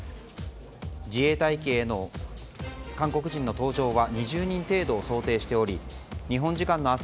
自衛隊機への韓国人の搭乗は２０人程度を想定しており日本時間の明日